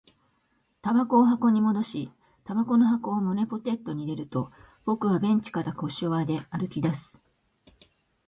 煙草を箱に戻し、煙草の箱を胸ポケットに入れると、僕はベンチから腰を上げ、歩き出す